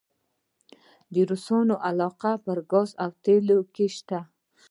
د روسانو علاقه په ګاز او تیلو کې شته؟